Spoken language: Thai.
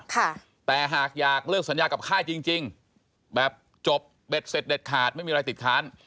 ค่ะแต่หากอยากเลิกสัญญากับค่ายจริงจริงแบบจบเบ็ดเสร็จเด็ดขาดไม่มีอะไรติดค้าน